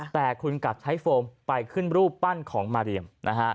แต่คุณกลับใช้โฟมไปขึ้นรูปปั้นของมาเรียม